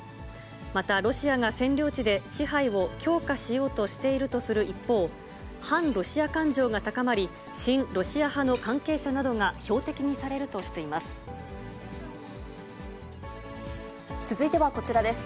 またロシアが占領地で支配を強化しようとしているとする一方、反ロシア感情が高まり、親ロシア派の関係者などが標的にされると続いてはこちらです。